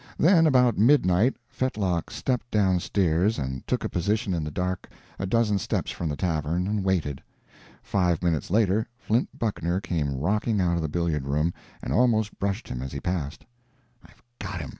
Then, about midnight, Fetlock stepped down stairs and took a position in the dark a dozen steps from the tavern, and waited. Five minutes later Flint Buckner came rocking out of the billiard room and almost brushed him as he passed. "I've got him!"